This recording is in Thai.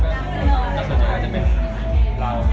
ก็ส่วนใหญ่ก็จะเป็นเรา